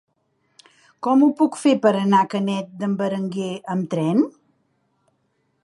Com ho puc fer per anar a Canet d'en Berenguer amb tren?